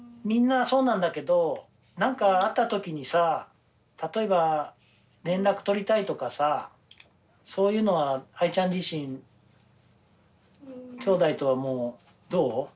みんなそうなんだけど何かあった時にさ例えば連絡取りたいとかさそういうのはアイちゃん自身きょうだいとはもうどう？